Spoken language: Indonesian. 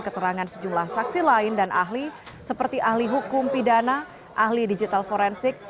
keterangan sejumlah saksi lain dan ahli seperti ahli hukum pidana ahli digital forensik